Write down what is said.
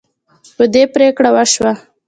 په دې پریکړه وشوه.